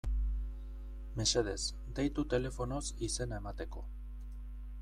Mesedez, deitu telefonoz izena emateko.